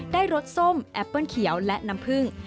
รสส้มแอปเปิ้ลเขียวและน้ำผึ้ง